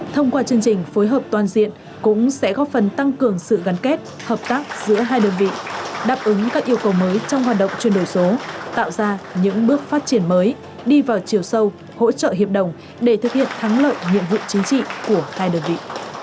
thông qua chương trình phối hợp toàn diện cũng sẽ góp phần tăng cường sự gắn kết hợp tác giữa hai đơn vị đáp ứng các yêu cầu mới trong hoạt động chuyển đổi số tạo ra những bước phát triển mới đi vào chiều sâu hỗ trợ hiệp đồng để thực hiện thắng lợi nhiệm vụ chính trị của hai đơn vị